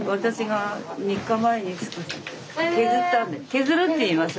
「削る」って言います。